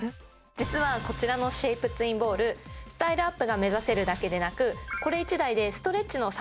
実はこちらのシェイプツインボールスタイルアップが目指せるだけでなくこれ１台でええ！